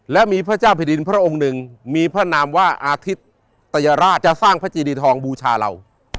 และมีพระเจ้าแผ่นดินพระองค์หนึ่งมีพระนามว่าอาทิตย์ตยราชจะสร้างพระจีดีทองบูชาเรา